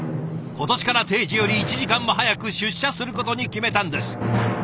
今年から定時より１時間も早く出社することに決めたんです。